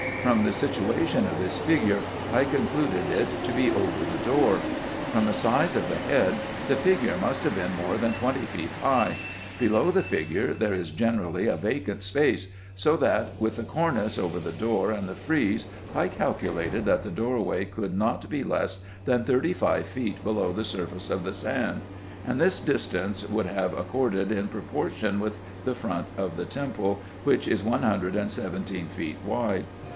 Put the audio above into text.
From the situation of this figure, I concluded it to be over the door. From the size of the head, the figure must have been more than twenty feet high ; below the figure there is generally a vacant space ; so that, with the cornice over the door and the frieze, I calculated, that the doorway could not be less than thirty five feet below the surface of the sand ; and this distance would have accorded in proportion with the front of the temple, which is one hundred and seventeen feet wide.